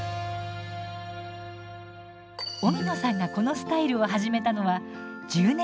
荻野さんがこのスタイルを始めたのは１０年前。